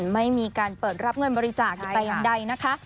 ไม่มีการเปิดรับเงินบริจาคแต่อย่างใดนะคะ